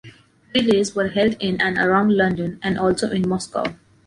Relays were held in and around London and also in Moscow.